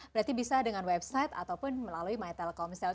berarti bisa dengan website ataupun melalui my telkomsel